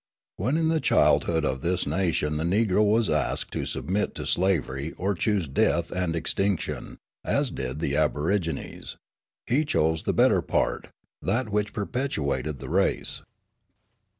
When in the childhood of this nation the Negro was asked to submit to slavery or choose death and extinction, as did the aborigines, he chose the better part, that which perpetuated the race.